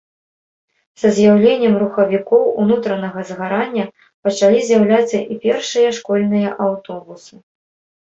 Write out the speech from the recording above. Са з'яўленнем рухавікоў унутранага згарання пачалі з'яўляцца і першыя школьныя аўтобусы.